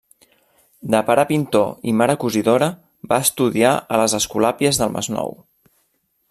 De pare pintor i mare cosidora, va estudiar a les Escolàpies del Masnou.